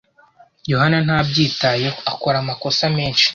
Yohana ntabyitayeho. Akora amakosa menshi.